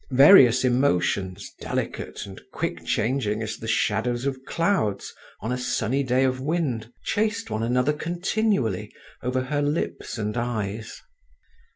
Various emotions, delicate and quick changing as the shadows of clouds on a sunny day of wind, chased one another continually over her lips and eyes.